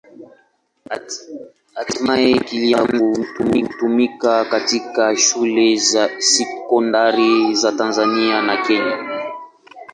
Hatimaye kilianza kutumika katika shule za sekondari za Tanzania na Kenya.